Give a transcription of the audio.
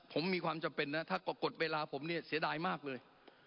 ผมมีความจำเป็นนะถ้ากดเวลาผมเนี่ยเสียดายมากเลย